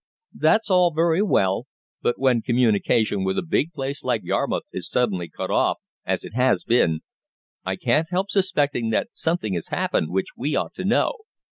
"That's all very well. But when all communication with a big place like Yarmouth is suddenly cut off, as it has been, I can't help suspecting that something has happened which we ought to know."